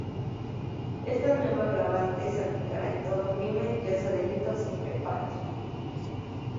Esta nueva agravante se aplicaría en todo crimen, ya sea delito o simple falta.